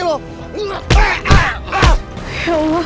lu lagi mau bantu